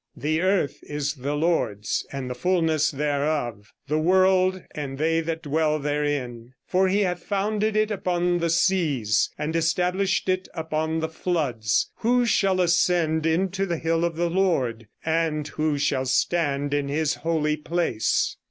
"The earth is the Lord's, and the fullness thereof; The world and they that dwell therein; For He hath founded it upon the seas, And established it upon the floods. Who shall ascend into the hill of the Lord? And who shall stand in His holy place?"